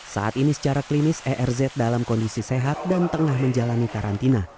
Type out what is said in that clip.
saat ini secara klinis erz dalam kondisi sehat dan tengah menjalani karantina